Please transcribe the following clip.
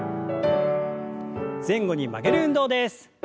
前後に曲げる運動です。